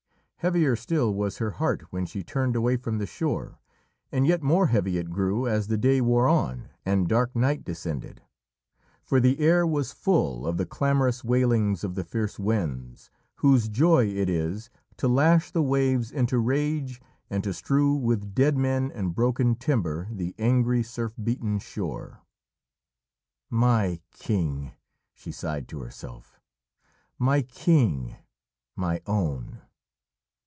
Heavier still was her heart when she turned away from the shore, and yet more heavy it grew as the day wore on and dark night descended. For the air was full of the clamorous wailings of the fierce winds whose joy it is to lash the waves into rage and to strew with dead men and broken timber the angry, surf beaten shore. "My King," she sighed to herself. "My King! my Own!"